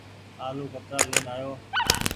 آلو ڪترآ لين آئو ۔